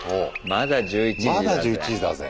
まだ１１時だぜ。